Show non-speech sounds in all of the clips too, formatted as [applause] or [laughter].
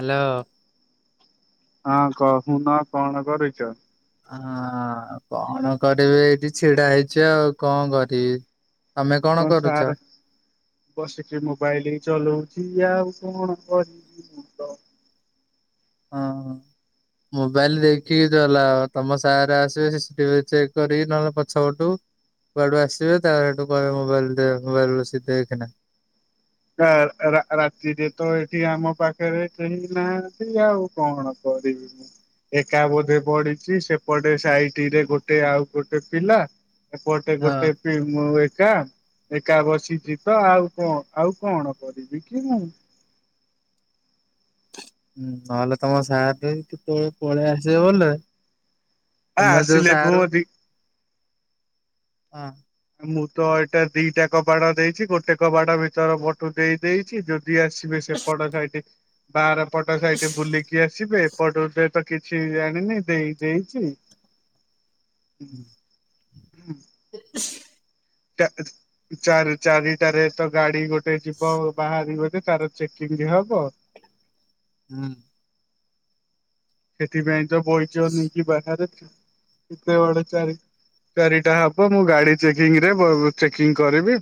Hello. ହଁ କହୁନ କଣ କରୁଚ? ଆଁ କଣ କରିବି ଏଇଠି ଛିଡା ହେଇଛି ଆଉ କଣ କରିବି। ତମେ କଣ କରୁଛ? ସାରେ ବସିକି ମୋବାଇଲ ଚଲଉଛି ଆଉ କଣ କରିବି ମୁଁ ତ। ହଁ ହଁ। ମୋବାଇଲ ଦେଖିକି ଚଲାଅ ତମ ସାର ଆସିବେ ଚେକ୍ କରିକି ନହଲେ ପଛ ପଟୁ କୁଆଡୁ ଆସିବେ ତାପରେ ହେଠୁ କହିବେ ମୋବାଇଲ ଦେ ମୋବାଇଲ ବସିକି ଦେଖିନା। ରା- ରା -ରାତିରେ ତ ଏଠି ଆମ ପାଖରେ କେହି ନାହାନ୍ତି ଆଉ କଣ କରିବି ମୁଁ। ଏକା ବୋଧେ ପଢିଛି ସେପଟେ ସାଇଟିରେ ଗୋଟେ ଆଉ ଗୋଟେ ପିଲା। ଏପଟେ ହଁ ଗୋଟେ ପି ମୁଁ ଏକା ଏକା ବସିଚି ତ ଆଉ କଣ। ଆଉ କଣ କରିବି କି ମୁଁ। ହୁଁ ନହଲେ ତମ ସାର୍ ଥିବେ କେତେବେଳେ ପଳେଇ ଆସିବେ ବୋଲେ ଆ ତମେ ଯୋଉ ଆସିଲେ ମୋ ସାରଙ୍କୁ ଦି ହଁ। ମୁଁ ତ ଏଟା ଦିଟା କବାଟ ଦେଇଚି। ଗୋଟେ କବାଟ ଭିତର ପଟୁ ପଟଇ ଦେଇଛି ଯଦି ଆସିବେ ସେ ପଟ ଘାଇଟେ ବାହାର ପଟ ଘାଇଟେ ବୁଲିକି ଯିଏ ଆସିବେ ଏ ପଟରେ ତ କିଛି ଜାଣିନି ଦେଇ ଦେଇଛି ହୁଁ ହୁଁ। [inaudible] [unintelligible] ଚାରି ଚାରିଟାରେ ତ ଗାଡି ଗୋଟେ ଯିବ ବାହାରିବ ଯେ ତାର ଚେକିଂ ହବ। ହୁଁ। ସେଥିପାଇଁ ତ ବଇଚ ଅନେଇକି ବାହାରେ କେତେ ବଳେ ଚାରି ଚାରିଟା ହବ ମୁଁ ଗାଡି ଚେକିଂ ରେ ବ ଚେକିଂ କରିବି।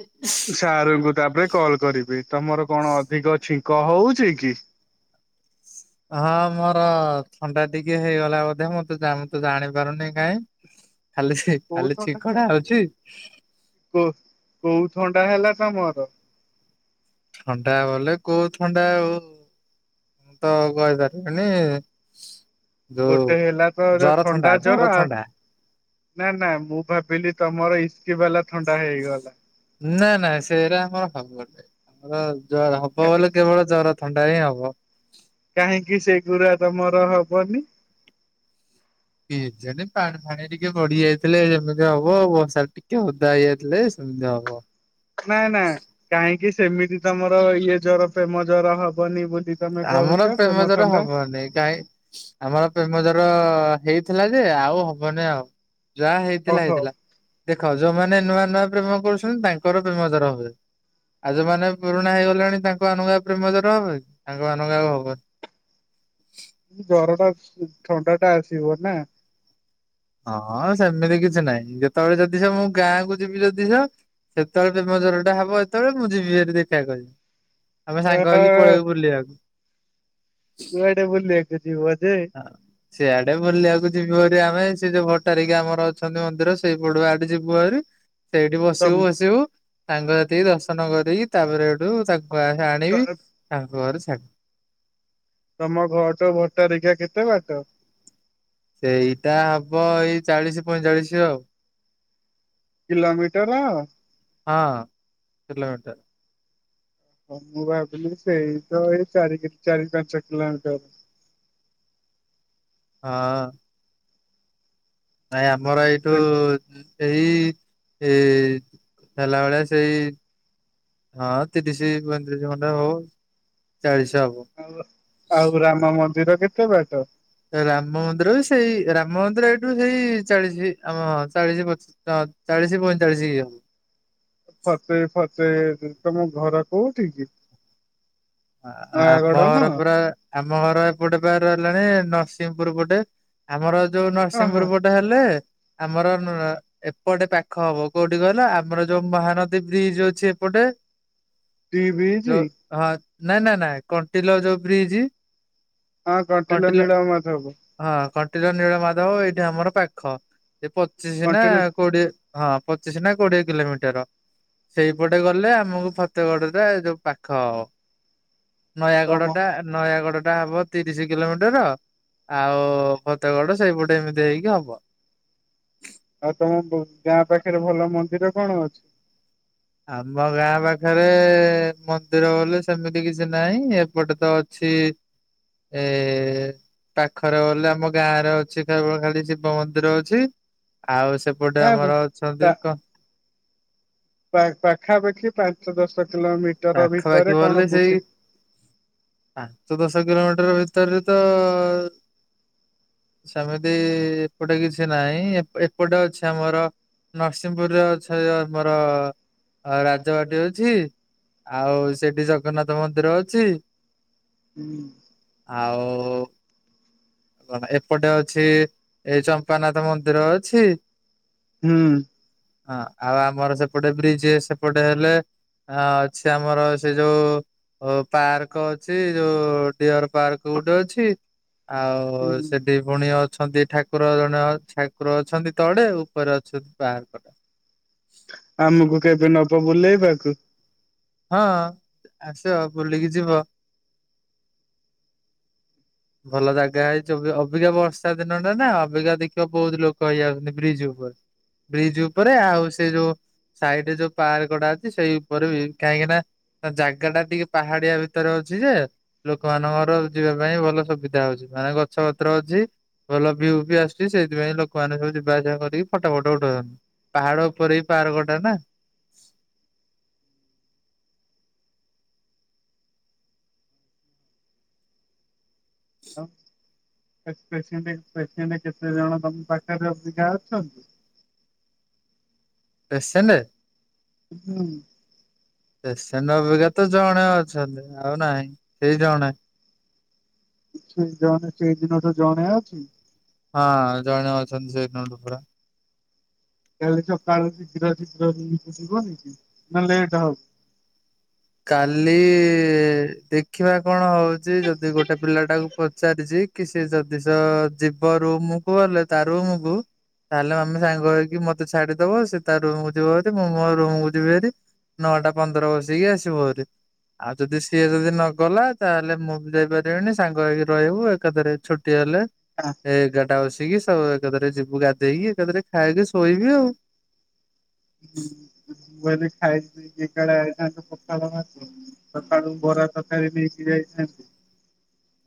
ଉସ୍ [unintelligible] ସାରଙ୍କୁ ତାପରେ କଲ୍ କରିବି ତମର କଣ ଅଧିକ ଛିଙ୍କ ହଉଛି କି? ହଁ ମୋର ଥଣ୍ଡା ଟିକେ ହେଇଗଲା ବୋଧେ ମୁଁ ତ ଜାଣିତ ଜାଣିପାରୁନି କାଇଁ। ଖାଲି ଛିଁ। କଉ ପ୍ରକାର କ କୋଉ ଥଣ୍ଡା ହେଲା ତମର? ଥଣ୍ଡା ଗଲେ କୋଉ ଥଣ୍ଡା ଆଉ। ତ କହିପାରିଲନି। ଗୋଟେ ହେଲା ତ ଥଣ୍ଡା ଜର ଜ୍ୱର ଆ ଥଣ୍ଡା ନାଁ ନାଁ ମୁଁ ଭାବିଲି ତମର ଇସ୍କି ବାଲା ଥଣ୍ଡା ହେଇଗଲା। ନାଁ ନାଁ ସେଇରା ଆମର ହବନି ହବ ବୋଲି କେବଳ ଜ୍ୱର। ଥଣ୍ଡା ହିଁ ହବ। କାହିଁକି ସେ ଗୁଡା ତମର ହବନି? କି ଜାଣେ ପାଣି ଫାଣି ଟିକେ ବଢ଼ି ଯାଇଥିଲେ ହବ। [unintelligible] ଟିକେ ଅଦା ହେଇଯାଇଥିଲେ ସେମିତି ହବ। ନାଇଁ ନାଁ କାହିଁକି ସେମିତି ତମର ଇଏ ଜ୍ୱର ପ୍ରେମ ଜ୍ୱର ହବନି ବୋଲି। ତମେ ଆମର କହୁଛ ପ୍ରେମ ଜ୍ୱର ଥଣ୍ଡା ହବନି କାହିଁ ଆମର ପ୍ରେମ ଜ୍ୱର ହେଇଥିଲା ଯେ ଆଉ ହବନି ଆଉ। ଯାହା ହେଇଥିଲା ଓହୋ ହେଇଥିଲା ଦେଖ ଯୋଉଁମାନେ ନୂଆ ନୂଆ ପ୍ରେମ କରୁଛନ୍ତି ତାଙ୍କର ପ୍ରେମ ଜ୍ୱର ହୁଏ। ଆଉ ଯୋଉମାନେ ପୁରୁଣା ହେଇଗଲେଣି ତାଙ୍କ ନୂଆ ପ୍ରେମ ଜ୍ୱର ହେବ ନି ତାଙ୍କ ନୂଆ ଆଉ ହବନି। ହୁଁ ଜ୍ୱର ଟା ଥଣ୍ଡା ଟା ଆସିବ ନାଁ। ହଁ ହଁ ସେମିତି କିଛି ନାହିଁ ଯେତେବେଳେ ଯଦିସ ମୁଁ ଗାଁକୁ ଯିବି ଯଦିସ ସେତେବେଳେ ପ୍ରେମ ଜ୍ୱର ଟା ହେବ ଯେତେବେଳେ ମୁଁ ଯିବି ଏଟି ଦେଖା କହିବି। ଆମେ ଆ ସାଙ୍ଗ ହେଇକି ପଳେଇବୁ ବୁଲେଇବାକୁ। କୁଆଡ଼େ ବୁଲିବାକୁ ଯିବ ଯେ। ହଁ। ସିଆଡ଼େ ବୁଲିବାକୁ ଯିବୁ ଆରି ଆମେ ସେ ଯୋଉ ଭଟ୍ଟାରିକା ଆମର ଅଛନ୍ତି ମନ୍ଦିର ସେଇ ପଡ଼ୁ ଆଡ଼େ ଯିବୁ ଆରି। ସେଇଠି ତମ ବସିବୁ ଆସିବୁ ସାଙ୍ଗ ସାଥିକି ଦର୍ଶନ କରିକି ତାପରେ ଏଇଠୁ ଚା ଗୁଆଁଙ୍ଖା ଆଣିବି ତାଙ୍କ ଘରେ ଛାଡ଼ ତମ ଘର ଭଟ୍ଟାରିକା କେତେ ବାଟ? ସେଇଟା ହବ ଏଇ ଚାଳିଶି ପଇଁଚାଳିଶି ଆଉ। କିଲୋମିଟର। ହଁ କିଲୋମିଟର। ହଁ ମୁଁ ଭାବିଲି ସେଇ ତ ଏଇ ଚାରି ଚାରି ପାଞ୍ଚ କିଲୋମିଟର। ହଁ। ଭାଇ ଆମର ଏଇଠୁ ସେମ ହୁଁ ଏହି ଏ ହେଲା ବେଳେ ସେଇ ହଁ ତିରିଶି ପଇଁତିରିଶି ଖଣ୍ଡ ହବ ଚାଳିଶି ହବ। ଆଉ ଆଉ ରାମ ମନ୍ଦିର କେତେ ବାଟ? ରାମ ମନ୍ଦିର ବି ସେଇ ରାମ ମନ୍ଦିର ଏଇଠୁ ସେଇ ଚାଳିଶି ଆମ ଚାଳିଶି ପଚିଶି। ତ ଚାଳିଶି ପଇଁଚାଳିଶି। ଫସେଇ ଫସେଇ ତମ ଘର କୋଉଠି କି? ଆ ଆ ଆମ ନୟାଗଡ ଘର ନୁହଁ ପୁରା ଆମ ଘର ଏପଟେ ରହିଲାଣି ନରସିଂହପୁର ପଟେ। ଆମର ଯୋଉ ଓହୋ ନରସିଂହପୁର ପଟେ ହେଲେ ଆମର ନଆ ଏପଟେ ପାଖ ହବ କୋଉଠି କହିଲ ଆମର ଯୋଉ ମହାନଦୀ ବ୍ରିଜ ଅଛି ଏପଟେ। ଯୋଉ ଟିବିଇଚିଁ। ହଁ ନାଇଁ ନାଇଁ ନାଇଁ କଣ୍ଟିଲ ଯୋଉ ବ୍ରିଜ୍ଇ। ହଁ କଣ୍ଟିଲ ନୀଳ ମାଧବ। ହଁ କଣ୍ଟିଲ ନୀଳ ମାଧବ ଏଇଠି ଆମର ପାଖ ଏ ପଚିଶି କଣ୍ଟିଲ ନାଁ କୋଡ଼ିଏ। ହଁ ପଚିଶି ନା କୋଡ଼ିଏ କିଲୋମିଟର ସେଇପଟେ ଗଲେ ଆମକୁ ଫ ତୋ ଗଡୁରେ ଯୋଉ ପାଖ ହବ। ତମ ନୟାଗଡ ଟା ନୟାଗଡ ଟା ହବ ତିରିଶ କିଲୋମିଟର। ଆଉ ଭତଗଡ ସେଇପଟେ ଏମିତି ହେଇକି ହବ। ଆଉ ତମ ଗାଁ ପାଖରେ ଭଲ ମନ୍ଦିର କଣ ଅଛି? ଆମ ଗାଁ ପାଖରେ ମନ୍ଦିର ବୋଲି ସେମିତି କିଛି ନାହିଁ ଏପଟେ ତ ଅ ଛି ଏ। ପାଖରେ ଗଲେ ଆମ ଗାଁରେ ଅଛି କେବଳ ଖାଲି ଶିବ ମନ୍ଦିର ଅଛି ଆଉ ସେ ବୋଡେ ନା ଆମର ଅଛନ୍ତି ପା କଣ? ପା ପାଖାପାଖି ପାଞ୍ଚ ଦଶ କିଲୋମିଟର ପାଖାପାଖି ଭିତରେ ବୋଲେ କଣ ସେଇ ବୁଲି ପାଞ୍ଚ ଦଶ କିଲୋମିଟର ଭିତରେ ତ ସେମିତି ଏପଟେ କିଛି ନାହିଁ ଏପ ଏପଟେ ଅଛି ଆମର, ନରସିଂହପୁରରେ ଅଛ [unintelligible] ମୋର ରାଜବାଟି ଅଛି। ଆଉ ସେଠି ଜଗନ୍ନାଥ ମନ୍ଦିର ଅଛି। ହୁଁ। ଆଉ। କଣ ଏପଟେ ଅଛି ଏଇ ଚମ୍ପାନାଥ ମନ୍ଦିର ଅଛି। ହୁଁ। ହଁ ଆଉ ଆମର ସେପଟେ ବ୍ରିଜ ସେପଟେ ହେଲେ ହଁ ଅଛି ଆମର ସେ ଯୋଉ ଓ ପାର୍କ ଅଛି ଯୋଉ ଡିଅର ପାର୍କ ଗୋଟେ ଅଛି। ଆଉ ସେଡି। ଭଉଣୀ ଅଛନ୍ତି ଠାକୁର ଜଣେ ଠାକୁର ଅଛନ୍ତି ତଳେ ଉପରେ ଅଛନ୍ତି ବାହାର କଡ। ଆମକୁ କେବେ ନବ ବୁଲେଇବାକୁ। ହଁ ଆସ ବୁଲିକି ଯିବ। ଭଲ ଜାଗା ହେଇଛି ଅବିକା ବର୍ଷା ଦିନଟା ନା ଅବିକା ଦେଖିବା ବହୁତ ଲୋକ ହେଇଯାଉଛନ୍ତି ବ୍ରିଜ ଉପରେ। ବ୍ରିଜ ଉପରେ ଆଉ ସେ ଯୋଉ ସାଇଡ ରେ ଯୋଉ ପାର୍କଟା ଅଛି ସେଇ ଉପରେ ବି କାହିଁକି ନା ଜାଗା ଟା ଟିକେ ପାହାଡିଆ ଭିତରେ ଅଛି ଯେ ଲୋକମାନଙ୍କର ଯିବା ପାଇଁ ଭଲ ସୁବିଧା ହଉଛି ମାନେ ଗଛ ପତ୍ର ଅଛି। ଭଲ ଭ୍ୟୁ ବି ଆସୁଛି ସେଇଥିପାଇଁ ଲୋକମାନେ ସବୁ ଯିବାଆସିବା କରିକି ଫଟୋ ଫଟ ଉଠାଉଛନ୍ତି। ପାହାଡ ଉପରେ ଏଇ ପାର୍କ ଟା ନାଁ। ହ [unintelligible] କେତେ ଜଣ ତମ ପାଖରେ ଅଧିକା ଅଛନ୍ତି। ଏକ୍ସସେଲ। ହୁଁ। ପେସେଣ୍ଟ ଅବିକା ତ ଜଣେ ଅଛନ୍ତି ଆଉ ନାହିଁ ସେଇ ଜଣେ। କି ସେ ଜଣେ ସେଇ ଦିନ ଠୁ ଜଣେ ଅଛି। ହଁ ଜଣେ ଅଛନ୍ତି ସେଇ ଦିନ ଠୁ ପୁରା। କାଲି ସକାଳୁ ଶୀଘ୍ର ଶୀଘ୍ର ଯି ଯିବ ନି କି ନାଁ ଲେଟ୍ ହଉ। କାଲି ଦେଖିବା କଣ ହଉଛି ଯଦି ଗୋଟେ ପିଲାଟାକୁ ପଚାରିଛି କି ସେ ଯଦି ଜ ଯିବ ରୁମକୁ ହେଲେ ତାରୁମ କୁ ତାହେଲେ ଆମେ ସାଙ୍ଗ ହେଇକି ମତେ ଛାଡିଦବ ସେ ତା ରୁମ କୁୁ ଯିବ ଯୋଦି ମୁଁ ମୋ ରୁମକୁୁ ଯିବି ଭାରି। ନଅଟା ପନ୍ଦର ବସିକି ଆସିବ ଆହୁରି। ଆଉ ଯଦି ସିଏ ଯଦି ନଗଲା ତାହେଲେ ମୁଁ ବି ଯାଇପାରିବିନି ସାଙ୍ଗ ହେଇକି ରହିବୁ ଏକାଥରେ ଛୁ ଟି ହେଲେ ହଁ। ଏଗାରଟା ବସିକି ସବୁ ଏକାଥରେ ଯିବୁ ଗାଧେଇକି ଏକାଥରେ ଖାଇକି ଶୋଇବି ଆଉ। ହୁଁ। ଖାଇ କି [unintelligible] ପଖାଳ ଭାତ। ସକାଳୁ ବରା ତରକାରୀ ନେଇକି ଯାଇଥାନ୍ତି।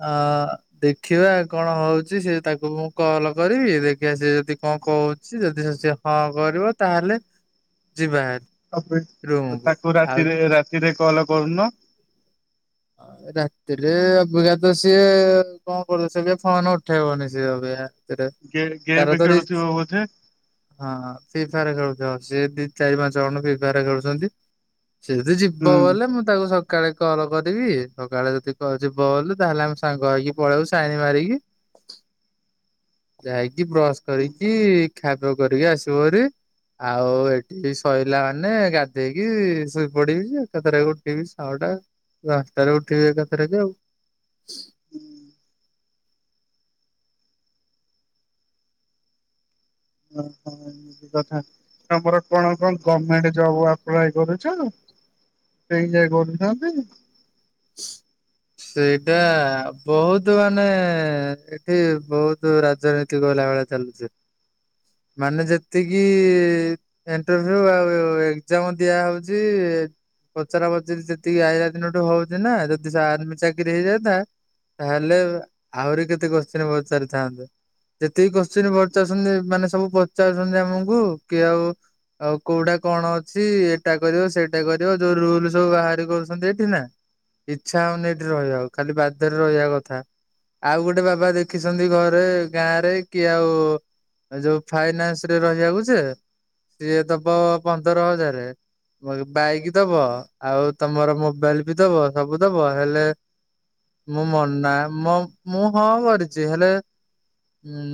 ଆ ଦେଖିବା କଣ ହଉଛି ସେ ତାକୁ ମୁଁ କଲ କରିବି ଦେଖିବା ସିଏ ଯଦି କଣ କହୁଛି ଯଦି ସେ ହଁ କରିବ ତାହେଲେ ଯିବା ବାହାରି। ତାକୁ ରାତିରେ ରାତିରେ କଲ କରୁନ? ରାତିରେ ଅଭିକାତ ସିଏ କଣ କରୁ ସେ ବି ଆଉ ଫୋନ ଉଠେଇବନି ସିଏ ଅବିକ ସେଟା ଗେ ଗେମ୍ ତାର ତରି ଖେଳୁଥିବ ବୋଧେ ହଁ ଫ୍ରିଫାଇଆର ଖେଳୁଛ ସିଏ ଦି ଚାରି ପାଞ୍ଚ ଜଣ ଫ୍ରିଫାଇଆର ଖେଳୁଛନ୍ତି। ସିଏ ଯଦି ହୁଁ ଯିବ ଗଲେ ମୁଁ ତାକୁ ସକାଳେ କଲ କରିବି ସକାଳେ ଯଦି ଯିବ ତାହେଲେ ଆମେ ସାଙ୍ଗ ହେଇକି ପଳେଇବୁ ସାଇନୀ ମାରିକି [inaudible] ଯାଇକି ବ୍ରଶ କରିକି ଖାଇପିଆ କରିକି ଆସିବ ଭାରି। ଆଉ ଏଠି ଶଇଲା ମାନେ ଗାଧେଇକି ଶୋଇ ପଡିବି ଯେ ଏକାଥର ଉଠିବି ଛଅଟା। ପାଞ୍ଚଟା ରେ ଉଠିବି ଏକାଥରେକେ ଆଉ। ଓହୋ। କିକଥା ତମର କଣ ଙ୍କ ଗମେଣ୍ଟ ଜବ ଆପ୍ଲାଏ କରୁଛ? ସେହିଁ ଯାଇ କରୁଛନ୍ତି। [inaudible] ସେଇଟା ବହୁତ ମାନେ ଏଠି ବହୁତ ରାଜନୀତି। ଏଠି ଗଲାବେଳେ ଚାଲୁଚି ସେ ମାନେ ଯେତିକି ଇଣ୍ଟରଭ୍ୟୁ ଆଉ ଆଉ ଏକ୍ଜାମ ଦିଆ ହଉଛି। ପଚରା ପଚାରି ସେତିକି ଆଇଲା ଦିନଠୁ ହଉଛି ନା ଯଦି ଆର୍ମି ଚାକିରି ହେଇଯାଆନ୍ତା ତାହେଲେ ଆହୁରି କେତେ କୋଶ୍ଚିନ୍ ପଚାରିଥାଆନ୍ତେ। ଯେତିକି କୋଶ୍ଚିନ୍ ପଚାରୁଛନ୍ତି ମାନେ ସବୁ ପଚାରୁଛନ୍ତି ଆମକୁ କି ଆଉ ଆଉ କୋଉଟା କଣ ଅଛି ଏଇଟା କରିବ ସେଇଟା କରିବ ଯୋଉ ରୁଲ ସବୁ ବାହାର କରୁଛନ୍ତି ଏଠି ନା ଇଚ୍ଛା ହଉନି ଏଠି ରହିବା ଆଉ ଖାଲି ବାଧ୍ୟରେ ରହିବା କଥା ଆଉ ଗୋଟେ ବାବା ଦେଖିଛନ୍ତି ଘରେ ଗାଁ ରେ କି ଆଉ ଯୋଉ ଫାଇନାନ୍ସ ରେ ରହିବାକୁ ଯେ ସିଏ ଦବ ପନ୍ଦର ହଜାର। ବାଇକ୍ ଦବ ଆଉ ତମର ମୋବାଇଲ ବି ଦବ ସବୁ ଦବ ହେଲେ ମୁଁ ମନା ମ ମୁଁ ହଁ କରିଛି ହେଲେ ଉଁ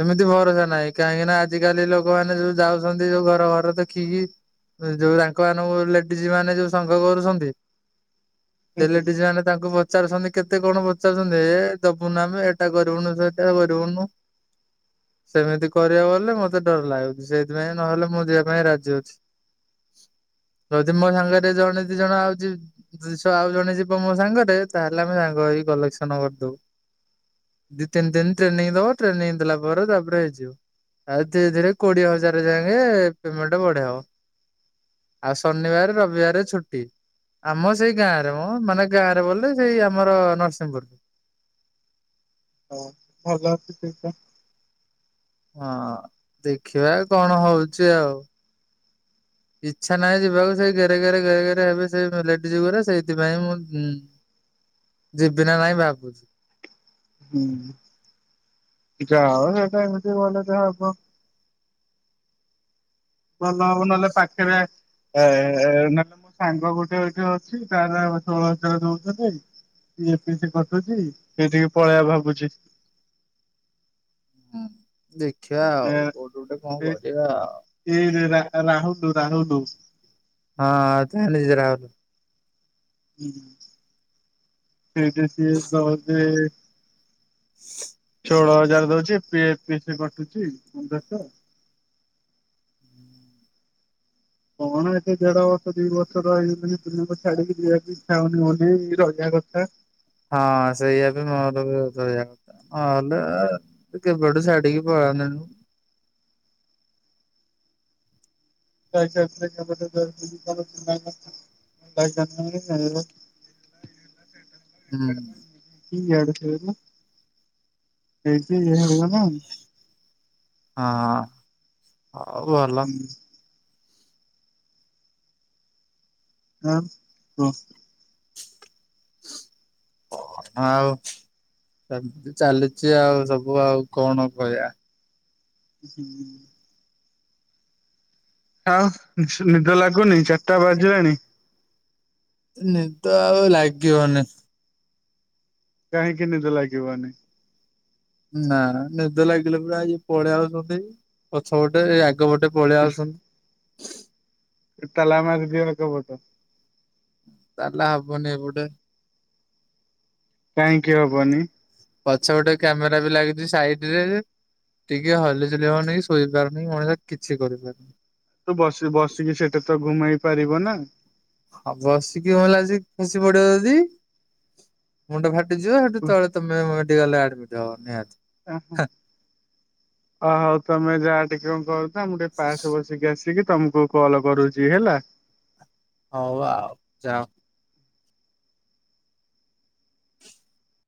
ସେମିତି ଭରସା ନାହିଁ କାହିଁକି ନା ଆଜିିକାଲି ଲୋକମାନେ ଯୋଉ ଯାଉଛନ୍ତି ଯୋଉ ଘର ଘର ଦେଖିକି ଯୋଉ ତାଙ୍କ ମାନଙ୍କୁ ଲେଡିଜମାନେ ଯୋଉ ସଂଘ କରୁଛନ୍ତି ସେ ହୁଁ ଲେଡିଜମାନେ ତାଙ୍କୁ ପ ପଚାରୁଛନ୍ତି କେତେ କଣ ପଚାରୁଛନ୍ତି ଏ ଦବୁନା ଆମେ ଏଟା କରିବୁନୁ ସେଟା କରିବୁନୁ ସେମିତି କରିବାକୁ ଗଲେ ମତେ ଡର ଲାଗୁଛି ସେଇଥିପାଇଁ ନହେଲେ ମୁଁ ଯିବା ପାଇଁ ରାଜି ଅଛି। ଯଦି ମୋ ସାଙ୍ଗରେ ଜଣେ ଦି ଜଣ ଆଉଜି ଯିଷ ଆଉ ଜଣେ ଯିବ ମୋ ସାଙ୍ଗରେ ତାହେଲେ ଆମେ ସାଙ୍ଗ ହେଇ କଲେକ୍ସନ କରିଦବୁ। ଦିି ତିନ୍ ଦିନ୍ ଟ୍ରେନିଙ୍ଗ୍ ଦବ ଟ୍ରେନିଙ୍ଗ୍ ଦେଲା ପରେ ତାପରେ ଯିବୁ। ଆଉ ଧୀରେ ଧୀରେ କୋଡିଏ ହଜାର ଯାଙ୍କେ ପେମେଣ୍ଟେ ବଢା ହବ। ଆଉ ଶନିବାର୍ ରବିବାରେ ଛୁଟି। ଆମ ସେଇ ଗାଁ ରେ ମ ମାନେ ଗାଁ ରେ ବୋଲି ସେଇ ଆମର ନରସିଂହପୁର୍। [unintelligible] ହଁ ଦେଖିବା କଣ ହଉଛି ଆଉ। ଇଚ୍ଛା ନାହିଁ ଯିବାକୁ ସେ ଗେରେ ଗେରେ ଗେରେ ଗେରେ ହେବେ ସେଇ ଲେଡିସ୍ ଗୁରା ସେଇଥିପାଇଁ ମୁଁଁ ଯିବି ନା ନାଇଁ ଭାବୁଛି। ହୁଁ ଯାଅ ହଉ ସେଇଟା ଏମିତି ଗଲେ ଯେ ହବ। ଭଲ ହବ ନହେଲେ ପାଖେରେ ଏ- ଏ - ଏ - ଏ ନହେଲେ ମୋ ସାଙ୍ଗ ଗୋଟେ ଏଠି ଅଛି ତାର ଷୋହଳ ହଜାର ଦଉଛନ୍ତି। ଏମିତି କଟୁଛି ସେଇଠିକି ପଳେଇବା ଭାବୁଚି। ଦେଖିଆ ଆଉ, କୋଉଠି ଗୋଟେ କଣ କରିବା ଆଉ ଏଇରେ ରା-ରାହୁଲୁ, ରାହୁଲୁ ହଁ [unintelligible] ସେଇଟା ସିଏ ତତେ ଷୋଳ ହଜାର୍ ଦଉଛି ପିଏ ପି କଟୁଛି ପନ୍ଦରଶହ। କଣ ଏତେ ଦେଢ ବର୍ଷ, ଦି ବର୍ଷର ରହିବିନି ଛାଡିକି ଯିବାକୁ ଇଚ୍ଛା ହଉନି ବୋଲି ରହିବା କଥା। ହଁ ସେଇଆ ବି ମୋର ବି [unintelligible] ନହେଲେ କେବେଠୁ ଛାଡ଼ିକି ପଳାନ୍ତିନି। [unintelligible] ହୁଁ। କି ଇଆଡୁ [unintelligible] ହଁ, ହଉ ଭଲ। ନା-ହଁ ଓ ଆଉ ସେମିତି ଚାଲିଛି ଆଉ ସବୁ ଆଉ କଣ କହିବା। ହୁଁଁ-ଉଁ-ଉ ଆଉ ନିସ-ନିଦ ଲାଗୁନି ଚାର୍ ଟା ବାଜିଲାଣି? ନିଦ ଆଉ ଲାଗିବନି। କାହିଁକିି ନିଦ ଲାଗିବନି? ନା, ନା ନିଦ ଲାଗିଲେ ପୁରା ଇଏ ପଳେଇଆ ଆଉଛନ୍ତି ପଛ ପଟେ ଏ ଆ ଆଗ ପଟେ ପଳେଇ ଆସନ୍ତି। ତାଲା ମାରିଦିଅ ଆଗ ପଟେ। ତାଲା ହବନି ଏ ପଟେ। କାହିଁକି ହବନି? ପଛ ପଟେ କ୍ୟାମେରା ବି ଲାଗିଛି ସାଇଡ୍ ରେ ଟିକେ ହଲି ଚୁଲି ହବନି ଶୋଇପାରୁନି ମଣିଷ କିଛି କରିପାରୁ ତୁ ବସି ବସିକି ସେଟା ତ ଘୁମେଇ ପାରିବ ନା? ଆଉ ବସିକି ଭଲା ଖସି ପଡିବ ଯଦି ମୁଣ୍ଡ ଫାଟିଯିବ ହେଠୁ ତଳେ ତମେ ମେଡିକାଲ ରେ ଆଡମିଟ୍ ହବ ନିହାତି। ଓଃ ଓ ହୋଉ ତମେ ଯାଆ ଟିକେ କଣ କ [unintelligible] ମୁଁ ଟିକେ ପାସ ବସିକି ଆସିକି ତମକୁ କଲ କରୁଚି ହେଲା। ହୋଉ ଆଉ ଯାଅ।